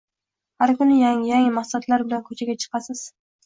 Har kuni yangi-yangi maqsadlar bilan ko‘chaga chiqasiz.